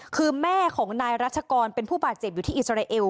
คือแม่ของนายรัชกรเป็นผู้บาดเจ็บอยู่ที่อิสราเอล